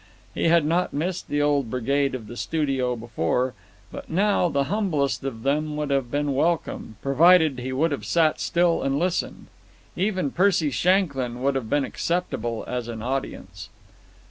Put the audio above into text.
He had not missed the old brigade of the studio before, but now the humblest of them would have been welcome, provided he would have sat still and listened. Even Percy Shanklyn would have been acceptable as an audience.